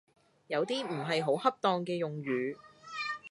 有啲唔係好恰當嘅用語